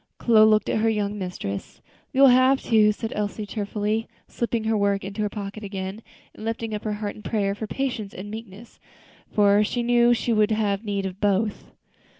Chloe looked at her young mistress. "You will have to," said Elsie, tearfully, slipping her work into her pocket again, and lifting up her heart in prayer for patience and meekness, for she well knew she would have need of both.